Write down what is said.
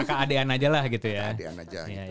kakak adean aja lah gitu ya